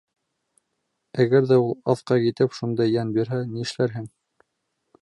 Әгәр ҙә ул аҫҡа китеп, шунда йән бирһә, нишләрһең?